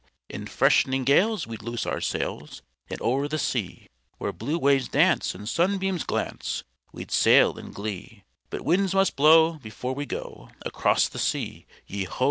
In fresh'ning gales we'd loose our sails, And o'er the sea, Where blue waves dance, and sunbeams glance, We'd sail in glee, But winds must blow, before we go, Across the sea, Yeo ho!